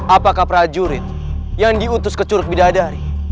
apakah prajurit yang diutus ke curug bidadari